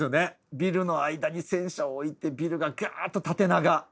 ビルの間に戦車を置いてビルがガーッと縦長！